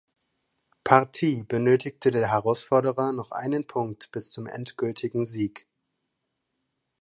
Partie benötigte der Herausforderer noch einen Punkt bis zum endgültigen Sieg.